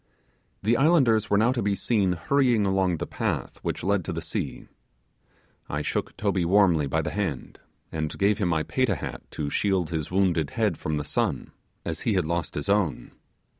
The islanders were now to be seen hurrying along the path which led to the sea. I shook Toby warmly by the hand, and gave him my Payta hat to shield his wounded head from the sun, as he had lost his own.